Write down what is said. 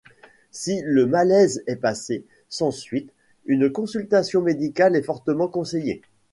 Si le malaise est passé, sans suite, une consultation médicale est fortement conseillée.